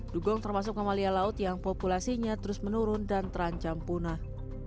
dugong termasuk amalia laut yang populasinya terus menurun dan terancam punah